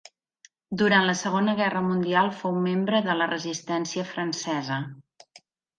Durant la Segona Guerra Mundial fou membre de la Resistència francesa.